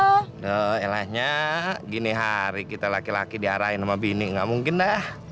aduh elahnya gini hari kita laki laki diarahin sama bini gak mungkin dah